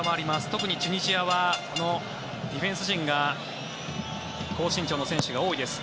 特にチュニジアのディフェンス陣が高身長の選手が多いです。